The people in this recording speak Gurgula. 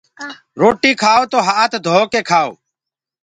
روٽي ڪآئو تو هآت ڌو ڪي کآئو